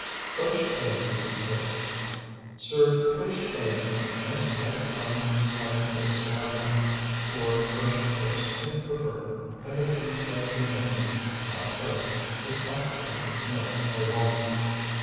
POACHED EGGS ON TOAST Serve poached eggs on nice light brown slices of zwieback, or fresh toast if preferred, that has been slightly moistened, not soaked, with hot cream, milk, or water.